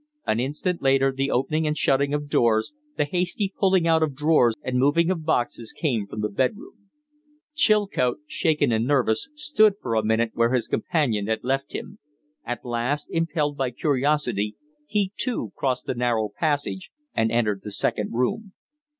An instant later the opening and shutting of doors, the hasty pulling out of drawers and moving of boxes, came from the bedroom. Chilcote, shaken and nervous, stood for a minute where his companion had left him; at last, impelled by curiosity, he too crossed the narrow passage and entered the second room.